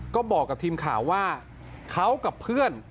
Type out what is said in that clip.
ก็บอกกับทีมข่าวว่าเขากับเพื่อน